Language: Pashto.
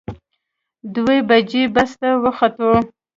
دوه بجې بس ته وختو.